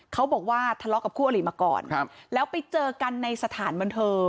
เขาบอกว่าทะเลาะกับคู่อลิมาก่อนครับแล้วไปเจอกันในสถานบันเทิง